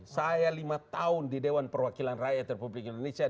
saya lima tahun di dewan perwakilan rakyat republik indonesia